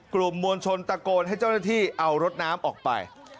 กลุ่มมวลชนตะโกนให้เจ้าหน้าที่เอารถน้ำออกไป